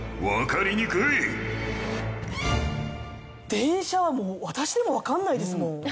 電車はもう私でもわからないですもん。